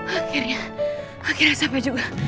akhirnya akhirnya sampai juga